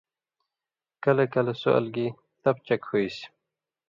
کلہۡ کلہۡ سو اَلگلی تَپ چَک ہُوئسیۡ